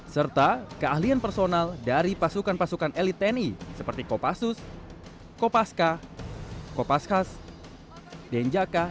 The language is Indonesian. serta keahlian personal dari pasukan pasukan elit tni seperti kopassus kopaska kopaskas denjaka